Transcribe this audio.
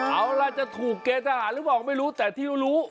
เอาล่ะจะถูกเกณฑ์ทหารหรือเปล่าไม่รู้แต่ที่รู้